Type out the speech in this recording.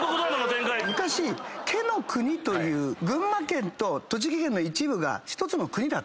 昔毛野国という群馬県と栃木県の一部が１つの国だった。